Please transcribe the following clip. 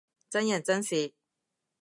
真人真事